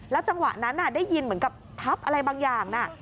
จังหวะนั้นได้ยินเหมือนกับทับอะไรบางอย่างนะ